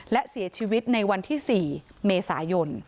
และเสียชีวิตในวันที่๔เมษายน